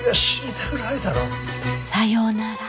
さようなら。